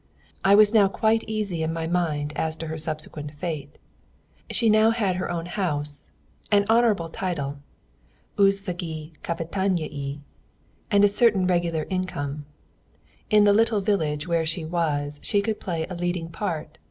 I was now quite easy in my mind as to her subsequent fate. She had now her own house, an honourable title "Özvegy Kapitányné," and a certain regular income. In the little village where she was she could play a leading part.